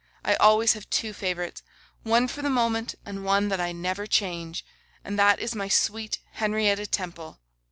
I always have two favourites: one for the moment, and one that I never change, and that is my sweet Henrietta Temple.